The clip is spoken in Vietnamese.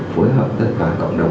phối hợp tất cả cộng đồng